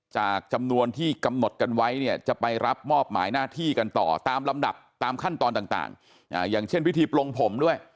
จำนวนที่กำหนดกันไว้เนี่ยจะไปรับมอบหมายหน้าที่กันต่อตามลำดับตามขั้นตอนต่างอย่างเช่นพิธีปลงผมด้วย